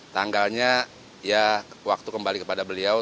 tanggalnya ya waktu kembali kepada beliau